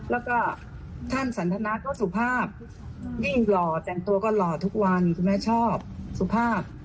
แล้วก็ท่านสันทนาก็สุภาพยิ่งหล่อแต่งตัวก็หล่อทุกวันคุณแม่ชอบสุภาพ